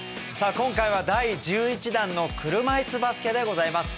今回は第１１弾の車いすバスケでございます。